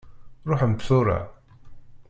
Ṛuḥemt tura.